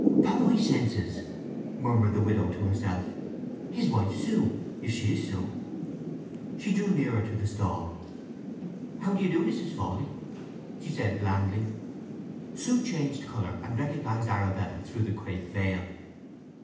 "Upon my—senses!" murmured the widow to herself. "His wife Sue—if she is so!" She drew nearer to the stall. "How do you do, Mrs. Fawley?" she said blandly. Sue changed colour and recognized Arabella through the crape veil.